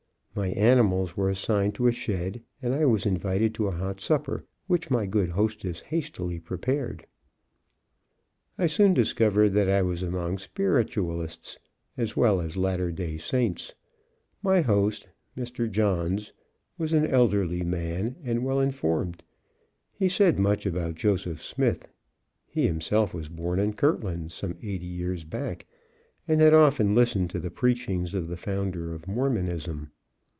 My animals were assigned to a shed, and I was invited to a hot supper, which my good hostess hastily prepared. I soon discovered that I was among spiritualists, as well as Latter Day Saints. My Host, Mr. J , was an elderly man, and well informed. He said much about Joseph Smith. He himself was born in Kirtland some eighty years back, and had often listened to the preachings of the founder of Mormonism.